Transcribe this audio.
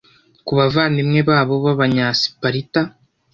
ku bavandimwe babo b'abanyasiparita